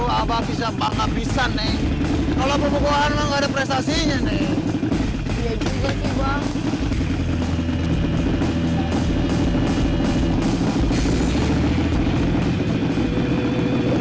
ngebah bisa bangka bisa neng kalau buah buahan enggak ada prestasinya nih iya juga sih bang